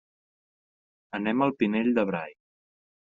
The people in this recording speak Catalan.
Anem al Pinell de Brai.